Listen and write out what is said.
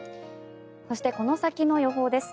そして、この先の予報です。